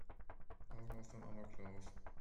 Augen auf beim Amoklauf!